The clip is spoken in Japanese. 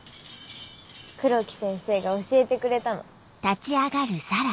黒木先生が教えてくれたの。